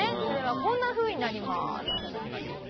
それはこんなふうになります。